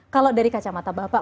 kalau dari kacamata bapak